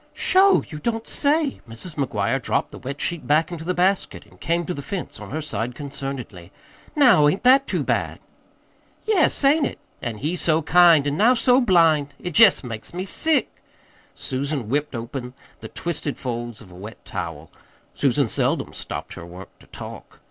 "Sho! you don't say!" Mrs. McGuire dropped the wet sheet back into the basket and came to the fence on her side concernedly. "Now, ain't that too bad?" "Yes, ain't it? An' he so kind, an' now so blind! It jest makes me sick." Susan whipped open the twisted folds of a wet towel. Susan seldom stopped her work to talk.